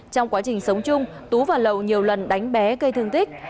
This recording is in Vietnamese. trong quá trình sống chung tú và lầu nhiều lần đánh bé gây thương tích